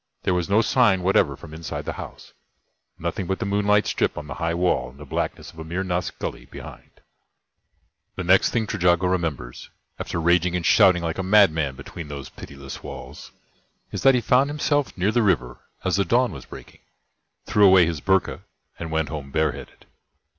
There was no sign whatever from inside the house nothing but the moonlight strip on the high wall, and the blackness of Amir Nath's Gully behind. The next thing Trejago remembers, after raging and shouting like a madman between those pitiless walls, is that he found himself near the river as the dawn was breaking, threw away his boorka and went home bareheaded.